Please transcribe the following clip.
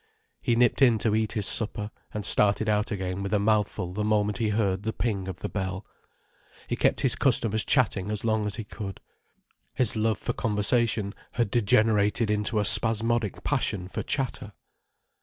He nipped in to eat his supper, and started out again with a mouthful the moment he heard the ping of the bell. He kept his customers chatting as long as he could. His love for conversation had degenerated into a spasmodic passion for chatter.